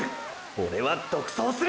オレは独走する！！